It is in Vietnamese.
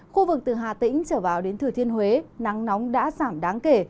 khu vực từ hà tĩnh trở vào đến thừa thiên huế nắng nóng đã giảm đáng kể